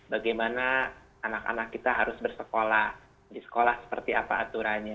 bagaimana anak anak kita harus bersekolah di sekolah seperti apa aturannya